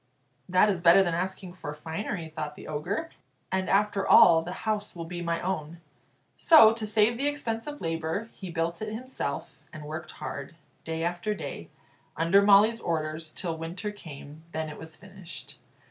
"That is better than asking for finery," thought the Ogre; "and after all the house will be my own." So, to save the expense of labour, he built it himself, and worked hard, day after day, under Molly's orders, till winter came. Then it was finished.